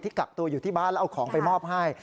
กักตัวอยู่ที่บ้านแล้วเอาของไปมอบให้